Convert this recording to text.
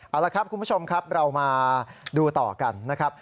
เอาละครับคุณผู้ชมครับเรามาดูต่อกันนะครับ